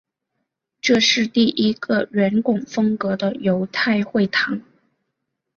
这是第一个圆拱风格的犹太会堂。